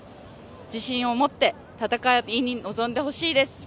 自信を持って戦いに臨んでほしいです。